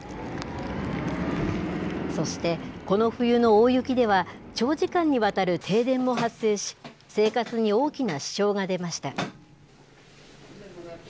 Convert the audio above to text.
そして、この冬の大雪では、長時間にわたる停電も発生し、生活に大きな支障が出ました。